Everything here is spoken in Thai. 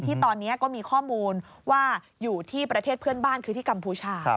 ที่ตอนนี้ก็มีข้อมูลว่าอยู่ที่ประเทศเพื่อนบ้านคือที่กัมพูชา